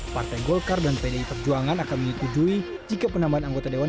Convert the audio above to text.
partai golkar dan pdi perjuangan akan menyetujui jika penambahan anggota dewan